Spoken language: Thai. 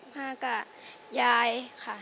มากับยายค่ะ